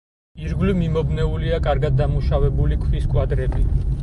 ირგვლივ მიმობნეულია კარგად დამუშავებული ქვის კვადრები.